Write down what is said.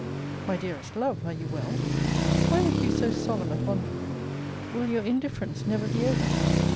My dearest love, are you well? Why look you so solemn upon me? Will your indifference never be over?